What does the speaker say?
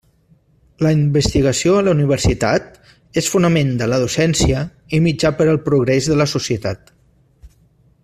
La investigació a la Universitat és fonament de la docència i mitjà per al progrés de la societat.